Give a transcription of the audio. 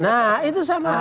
nah itu sama